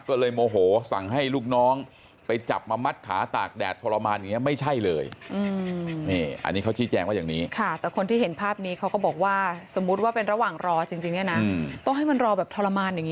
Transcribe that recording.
ก็เลยโมโหสั่งให้ลูกน้องไปจับมามัดขาตากแดดทรมานอย่างนี้ไม่ใช่เลย